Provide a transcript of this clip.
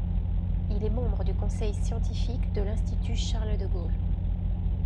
Il est membre du conseil scientifique de l'Institut Charles de Gaulle.